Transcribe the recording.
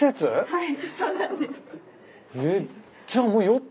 はい。